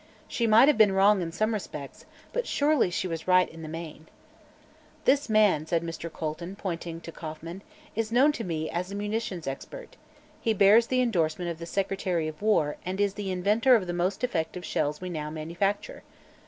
She might have been wrong in some respects, but surely she was right in the main. "This man," said Mr. Colton, pointing to Kauffman, "is known to me as a munition expert. He bears the endorsement of the Secretary of War and is the inventor of the most effective shells we now manufacture.